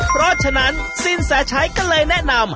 เพราะฉะนั้นสินแสชัยก็เลยแนะนำ